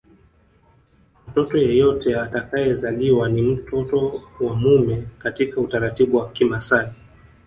Mtoto yeyote atakayezaliwa ni mtoto wa mume katika utaratibu wa Kimasai